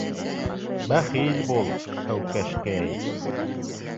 Бәхил бул, һәүкәшкәй...